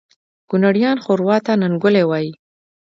کونړیان ښوروا ته ننګولی وایي